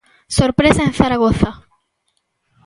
Sorpresa en Zaragoza.